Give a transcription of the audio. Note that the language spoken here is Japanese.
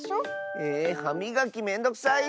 えはみがきめんどくさいッス！